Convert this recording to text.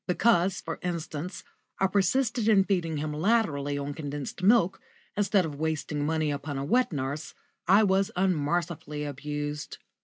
Because, for instance, I persisted in feeding him latterly on condensed milk, instead of wasting money upon a wet nurse, I was unmercifully abused.